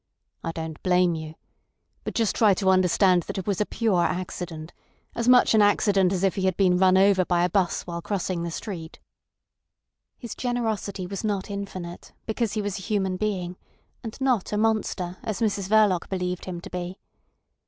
I don't blame you. But just try to understand that it was a pure accident; as much an accident as if he had been run over by a 'bus while crossing the street." His generosity was not infinite, because he was a human being—and not a monster, as Mrs Verloc believed him to be.